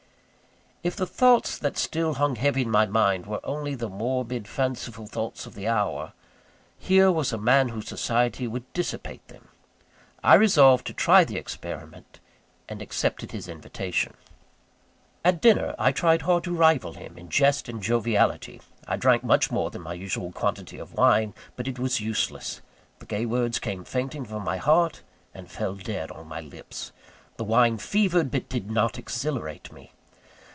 If the thoughts that still hung heavy on my mind were only the morbid, fanciful thoughts of the hour, here was a man whose society would dissipate them. I resolved to try the experiment, and accepted his invitation. At dinner, I tried hard to rival him in jest and joviality; I drank much more than my usual quantity of wine but it was useless. The gay words came fainting from my heart, and fell dead on my lips. The wine fevered, but did not exhilarate me.